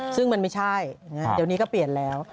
ซึ่งมันไม่ใช่เดี๋ยวนี้ก็เปลี่ยนแล้ว